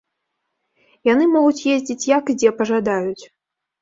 Яны могуць ездзіць як і дзе пажадаюць.